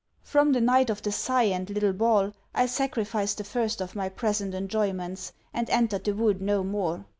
From the night of the sigh and little ball, I sacrificed the first of my present enjoyments; and entered the wood no more.